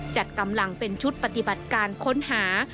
จัดกำลังเป็นชุดปฏิบัติการค้นหา